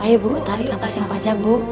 ayah bu tarik nafas yang pajak bu